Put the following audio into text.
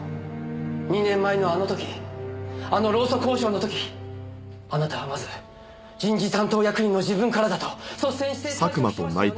２年前のあの時あの労組交渉の時あなたはまず人事担当役員の自分からだと率先して退職しましたよね。